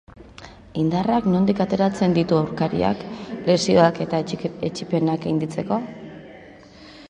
Indarrak nondik ateratzen ditu aurkariak, lesioak eta etsipenak gainditzeko?